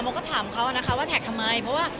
มันก็ถามเขานะคะว่าแท็กทำไม